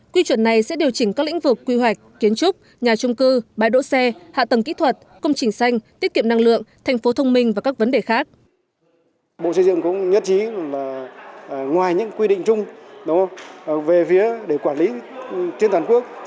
quy chuẩn này sẽ điều chỉnh các lĩnh vực quy hoạch kiến trúc nhà trung cư bãi đỗ xe hạ tầng kỹ thuật công trình xanh tiết kiệm năng lượng thành phố thông minh và các vấn đề khác